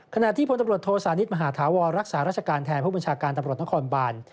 ขณะที่พลตำรวจโทสานิทมหาธาวรรักษาราชการแทนผู้บัญชาการตำรวจนครบาน